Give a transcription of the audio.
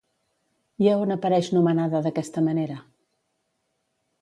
I a on apareix nomenada d'aquesta manera?